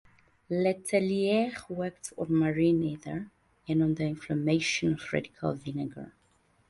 Le Tellier worked on "marine ether" and on the "inflammation of radical vinegar".